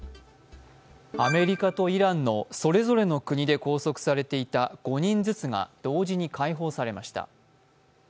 アメリカとイランのそれぞれの国で拘束されていた５人ずつが、同時に解放されました。